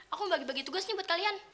aku bagi bagi tugas nih buat kalian